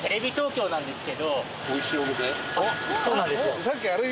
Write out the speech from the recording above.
そうなんですよ。